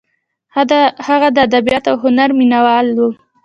هغه د ادبیاتو او هنر مینه وال و.